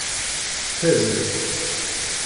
Fazen.